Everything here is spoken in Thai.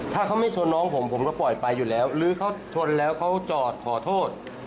ถ้าเขาไม่ชนน้องผมผมจะปล่อยไปอยู่แล้วหรือเขาชนแล้วเขาจอดขอโทษ